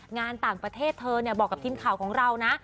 งานต่างประเทศเธอบอกกับทีมข่าวของเรานะ